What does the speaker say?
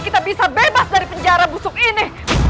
kita bisa bebas dari penjara busuk ini